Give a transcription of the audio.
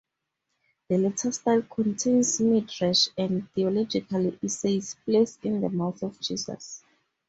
The later style contains midrash and theological essays placed in the mouth of Jesus.